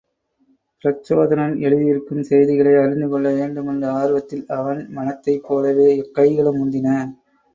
பிரச்சோதனன் எழுதியிருக்கும் செய்திகளை அறிந்துகொள்ள வேண்டுமென்ற ஆர்வத்தில் அவன் மனத்தைப் போலவே கைகளும் முந்தின.